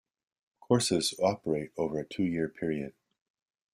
Courses operate over a two-year period.